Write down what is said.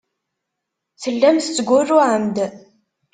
Tellam tettgurruɛem-d.